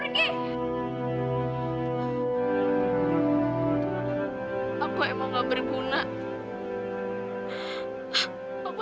aku emang gak berguna